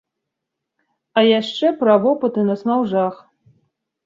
А яшчэ пра вопыты на смаўжах.